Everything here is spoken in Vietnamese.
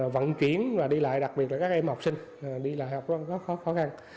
vận chuyển và đi lại đặc biệt là các em học sinh đi là học rất khó khăn